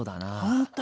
ほんと？